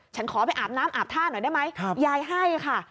ฉันขอไปอาบน้ำอาบท่าหน่อยได้ไหมยายให้ค่ะ